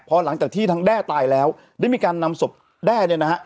พอหลังจากที่ทางแด้ตายแล้วได้มีการนำศพแด้เนี่ยนะฮะ